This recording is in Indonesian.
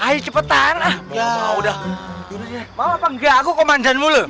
ayo cepetan ya udah mau enggak aku komandan mulu